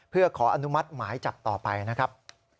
เพื่อขออนุมัติหมายจับต่อไปนะครับ